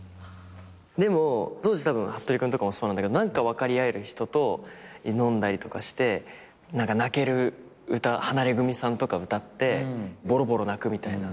でも当時はっとり君とかもそうなんだけど何か分かり合える人と飲んだりとかして泣ける歌ハナレグミさんとか歌ってぼろぼろ泣くみたいな。